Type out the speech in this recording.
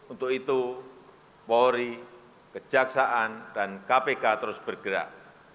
untuk itu polri kejaksaan dan kpk terus bergerak